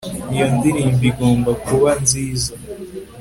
iyo ndirimbo igomba kuba nziza